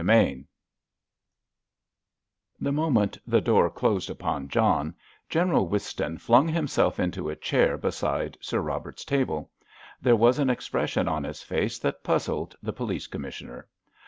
CHAPTER VI The moment the door closed upon John, General Whiston flung himself into a chair beside Sir Robert's table. There was an expression on his face that puzzled the Police Commissioner.